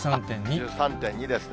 １３．２ですね。